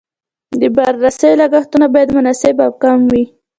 د بررسۍ لګښتونه باید مناسب او کم وي.